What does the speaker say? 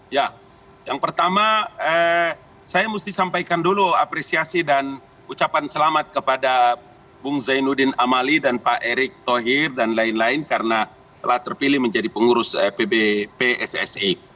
ya yang pertama saya mesti sampaikan dulu apresiasi dan ucapan selamat kepada bung zainuddin amali dan pak erick thohir dan lain lain karena telah terpilih menjadi pengurus pbp sse